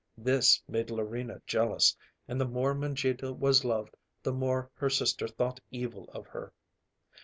This made Larina jealous, and the more Mangita was loved, the more her sister thought evil of her.